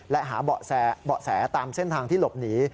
และหาเบาะแสตามเส้นทางที่หลบหนี